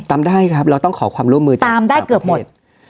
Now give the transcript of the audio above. ตามได้ครับเราต้องขอความร่วมมือตามได้เกือบหมด